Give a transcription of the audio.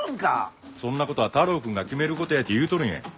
そんな事は太郎くんが決める事やって言うとるんや。